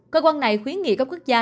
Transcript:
cơ quan này khuyến nghị các quốc gia